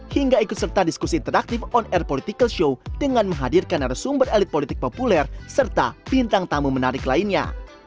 hingga ikut serta diskusi interaktif on air political show dengan menghadirkan narasumber elit politik populer serta bintang tamu menarik lainnya